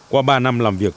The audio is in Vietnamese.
qua ba năm làm việc